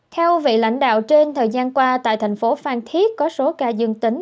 theo vị lãnh đạo trên thời gian qua tại tp phan thiết có số ca dương tính